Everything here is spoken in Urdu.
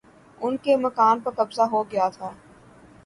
ان کے مکان پر قبضہ ہو گیا تھا